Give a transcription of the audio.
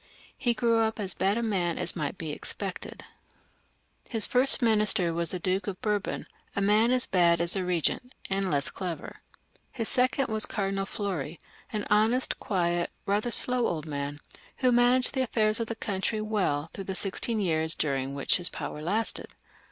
He grew up as bad a man as might be expected. XLVL] LOVIS XV, 369 Hi« first mmister was the Duke of Bourbolx, a man as bad as the Eegent, and less clever; his second was Car dinal Meury, an honest, quiet, rather slow old man, who managed the affairs of the country well throudi the six teen years during which his power lasted.